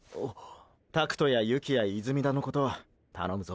拓斗や雪成や泉田のことたのむぞ。